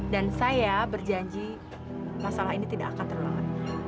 dan saya berjanji masalah ini tidak akan terlalu lama